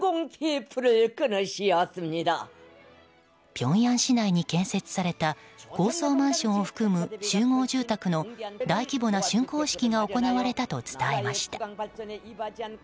ピョンヤン市内に建設された高層マンションを含む集合住宅の大規模な竣工式が行われたと伝えました。